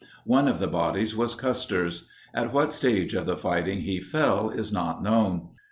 One of the bodies was Custer's. At what stage of the fighting he fell is not known.